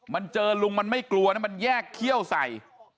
มันเจอลุงมันไม่กลัวนะมันแยกเขี้ยวใส่